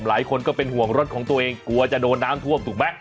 หลายคนก็เป็นห่วงรถของตัวเองกลัวจะโดนน้ำท่วมถูกไหม